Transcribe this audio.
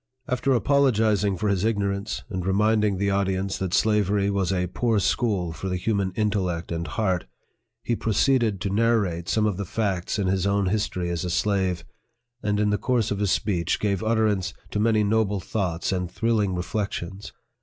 After apologizing for his ignorance, and reminding the audience that slavery was a poor school for the human intellect and heart, PREFACE, V he proceeded to narrate some of the facts in his own history as a slave, and in the course of his speech gave utterance to many noble thoughts and thrilling reflec' tions.